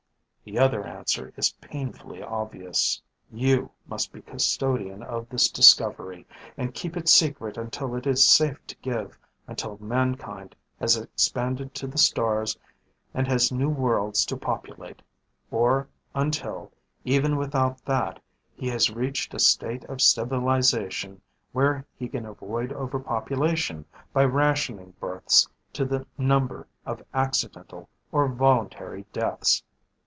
The other answer is painfully obvious. You must be custodian of this discovery and keep it secret until it is safe to give, until mankind has expanded to the stars and has new worlds to populate, or until, even without that, he has reached a state of civilization where he can avoid overpopulation by rationing births to the number of accidental or voluntary deaths.